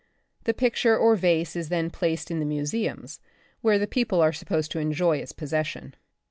The picture or vase is then placed in the museums, where the people ar^ supposed to enjoy its pos session.